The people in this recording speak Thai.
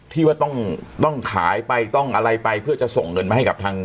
ที่ว่าต้องขายไปต้องอะไรไปเพื่อจะส่งเงินมาให้กับทาง